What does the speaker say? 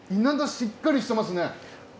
しっかりしてますね。